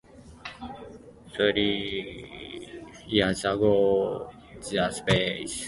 Three thousand years ago, the Space Pirates Barban invaded Earth.